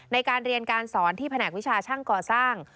ในการเรียนการสอนที่แผนกวิชาช่างก่อสร้าง